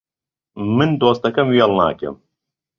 من دۆستەکەم وێڵ ناکەم